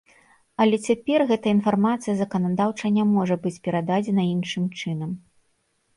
Але цяпер гэта інфармацыя заканадаўча не можа быць перададзена іншым чынам.